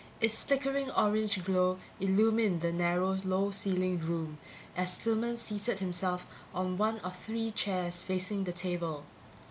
Its flickering orange glow illumined the narrow, low ceilinged room as Stillman seated himself on one of three chairs facing the table.